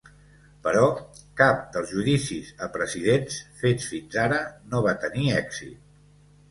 Però cap dels judicis a presidents fets fins ara no va tenir èxit.